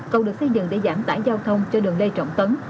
cầu được xây dựng để giảm tải giao thông cho đường lê trọng tấn